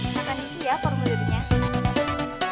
saya akan isi ya formulirnya